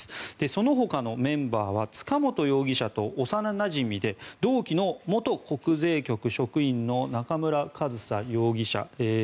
そのほかのメンバーは塚本容疑者と幼なじみで同期の元国税局職員の中村上総被告。